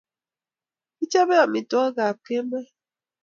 Kichopei amitwokik ab kemoi